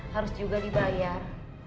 harus juga dibayar